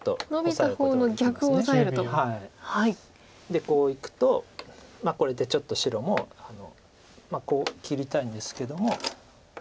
でこういくとこれでちょっと白もこう切りたいんですけども。